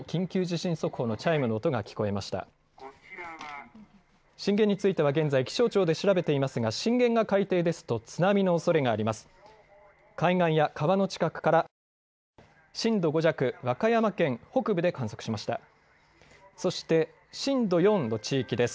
震源については現在、気象庁で調べていますが震源が海底ですと津波のおそれがあります。